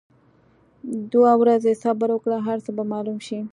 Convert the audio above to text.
دوه ورځي صبر وکړه هرڅۀ به معلوم شي.